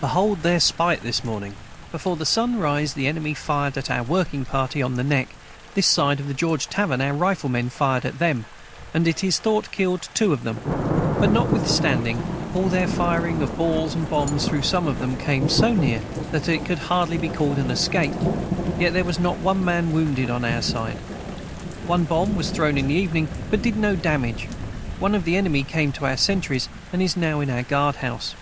Behold their Spite this morning before the sun rise the enemy fired at our working party on the neck this side the george tavern our rifle men fired at them and it is thought killed too of them but notwithstanding all their fireing of balls and bombs though some of them came so near that it could hardly be called an escape yet their was not one man wounded on our side one bomb was thrown in the evening but did no Damage one of the enemy came to our centrys and is now in our guard house.